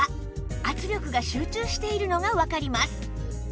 圧力が集中しているのがわかります